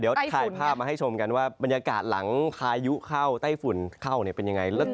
เดี๋ยวถ่ายภาพมาให้ชมกันว่าบรรยากาศหลังพายุเข้าไต้ฝุ่นเข้าเนี่ยเป็นยังไง